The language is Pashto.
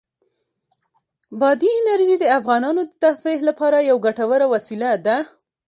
بادي انرژي د افغانانو د تفریح لپاره یوه ګټوره وسیله ده.